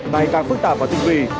này càng phức tạp và tinh vị